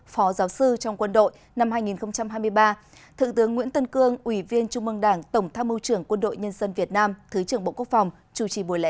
phó giáo sư trong quân đội năm hai nghìn hai mươi ba thượng tướng nguyễn tân cương ủy viên trung mương đảng tổng tham mưu trưởng quân đội nhân dân việt nam thứ trưởng bộ quốc phòng chủ trì buổi lễ